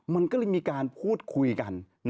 มันก็เลยมีการพูดคุยกัน